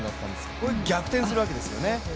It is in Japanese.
それが逆転するわけですよね。